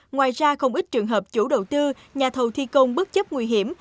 ngoài ra không ít trường hợp chủ đầu tư nhà thầu thi công bất chấp nguy hiểm